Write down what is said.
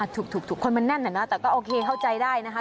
ทุกคนมันแน่นอะนะแต่ก็โอเคเข้าใจได้นะคะ